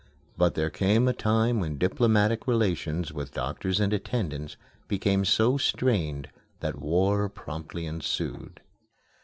But there came a time when diplomatic relations with doctors and attendants became so strained that war promptly ensued.